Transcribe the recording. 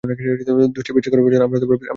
দোষের বিচার করিবার জন্য আমরা পৃথিবীতে আসি নাই।